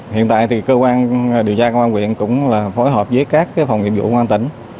hiện tại thì cơ quan điều tra công an quyện cũng là phối hợp với các phòng nghiệp vụ công an tỉnh